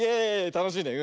たのしいね。